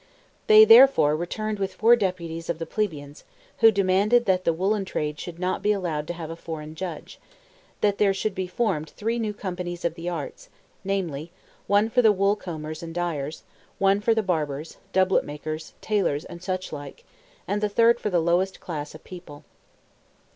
They therefore returned with four deputies of the plebeians, who demanded that the woolen trade should not be allowed to have a foreign judge; that there should be formed three new companies of the arts; namely, one for the wool combers and dyers, one for the barbers, doublet makers, tailors, and such like, and the third for the lowest class of people.